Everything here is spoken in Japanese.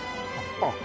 あっ